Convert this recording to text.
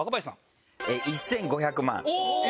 おお１５００万！